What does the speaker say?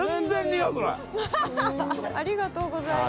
ありがとうございます。